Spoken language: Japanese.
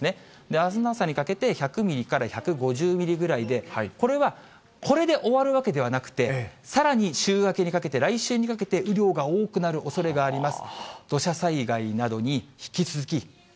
あすの朝にかけて１００ミリから１５０ミリぐらいで、これは、これで終わるわけではなくて、さらに週明けにかけて、来週にかけて雨量が多くなるおそれがあります。